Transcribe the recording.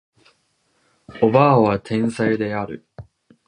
叔母は天才である